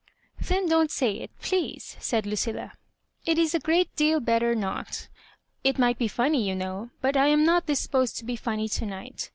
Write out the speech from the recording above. *' Then don't say it, please," said Ludlla. *' It w a great deal better not. It might be funny, you know ; but I am not disposed to be funny to night.